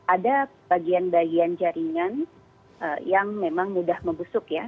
ada bagian bagian jaringan yang memang mudah membusuk ya